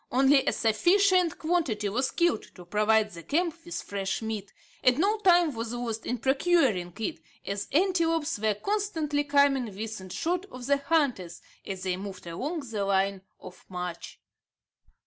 Only a sufficient quantity was killed to provide the camp with fresh meat, and no time was lost in procuring it, as antelopes were constantly coming within shot of the hunters, as they moved along the line of march.